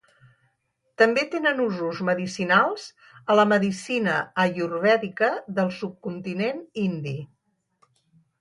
També tenen usos medicinals a la medicina ayurvèdica del subcontinent indi.